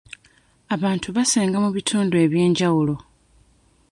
Abantu basenga mu bitundu eby'enjawulo.